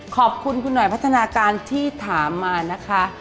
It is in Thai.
ขอบคุณคุณหน่อยพัฒนาการที่ถามมานะคะ